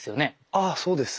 あっそうです。